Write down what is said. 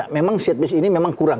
memang set piece ini memang kurang